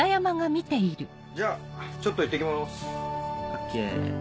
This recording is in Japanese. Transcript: じゃあちょっといってきます。ＯＫ。